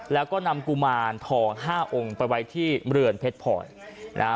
แล้วก็นำกุมารทองห้าองค์ไปไว้ที่เรือนเพชรพรนะฮะ